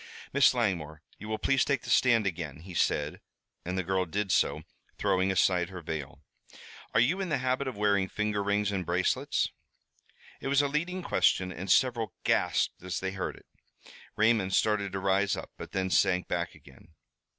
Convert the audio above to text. "Miss Langmore, you will please take the stand again," he said, and the girl did so, throwing aside her veil. "Are you in the habit of wearing finger rings and bracelets?" It was a leading question and several gasped as they heard it. Raymond started to rise up, but then sank back again.